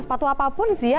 sepatu apapun sih ya